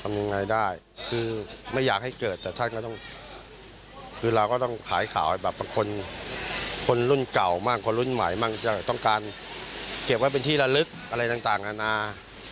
ทำยังไงได้คือไม่อยากให้เกิดจนต้องคือลาก็ต้องขายข่าวบับคนคนรุ่นเก่าบ้างคนรุ่นใหม่มันจะต้องการเก็บไว้เป็นที่ละลึกอะไรต่างอาณา